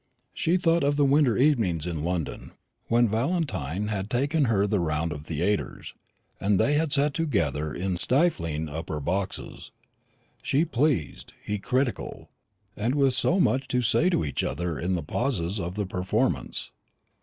She thought of winter evenings in London when Valentine had taken her the round of the theatres, and they had sat together in stifling upper boxes, she pleased, he critical, and with so much to say to each other in the pauses of the performance.